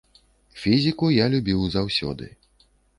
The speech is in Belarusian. Фізіку я любіў заўсёды.